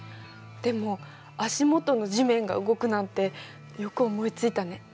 でも足元の地面が動くなんてよく思いついたね。